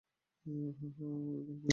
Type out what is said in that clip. হ্যাঁ, হ্যাঁ, ওই ডাক্তারকেই।